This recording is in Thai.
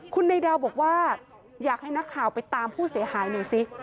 คุณนายดาวบอกว่าอยากให้นักข่าวไปตามผู้เสียหายหน่อยสิ